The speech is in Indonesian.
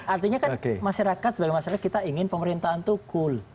artinya kan masyarakat sebagai masyarakat kita ingin pemerintahan itu cool